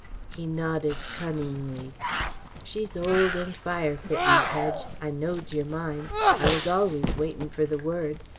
He nodded cunningly: "She's old and fire fitten. Tedge, I knowed yer mind I was always waitin' fer the word.